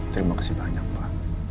terima kasih banyak pak